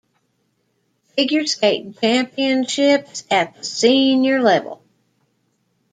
Figure Skating Championships at the senior level.